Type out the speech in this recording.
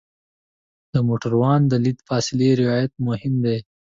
د موټروان د لید فاصلې رعایت مهم دی.